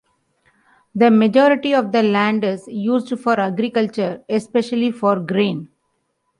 The majority of the land is used for agriculture, especially for grain.